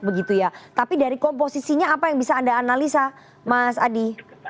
begitu ya tapi dari komposisinya apa yang bisa anda analisa mas adi